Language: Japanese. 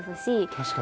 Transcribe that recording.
確かに。